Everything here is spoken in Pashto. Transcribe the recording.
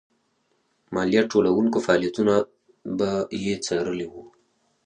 مالیه ټولوونکو فعالیتونه یې څارلي وو.